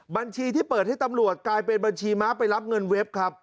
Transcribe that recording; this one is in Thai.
บัญชีที่เปิดให้ตำรวจกลายเป็นบัญชีม้าไปรับเงินเว็บครับ